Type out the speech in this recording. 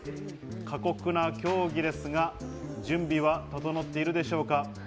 過酷な競技ですが、準備は整っているでしょうか？